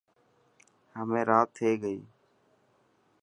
همي رات ٿي گئي.